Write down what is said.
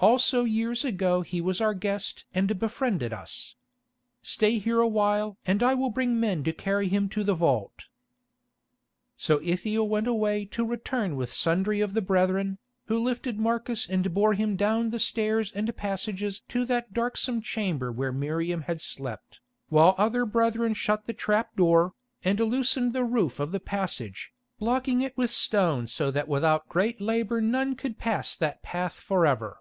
Also years ago he was our guest and befriended us. Stay here a while and I will bring men to carry him to the vault." So Ithiel went away to return with sundry of the brethren, who lifted Marcus and bore him down the stairs and passages to that darksome chamber where Miriam had slept, while other brethren shut the trap door, and loosened the roof of the passage, blocking it with stone so that without great labour none could pass that path for ever.